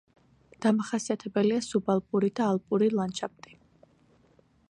დამახასიათებელია სუბალპური და ალპური ლანდშაფტი.